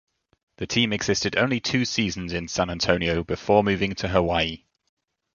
The team existed only two seasons in San Antonio before moving to Hawaii.